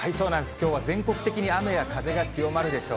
きょうは全国的に雨や風が強まるでしょう。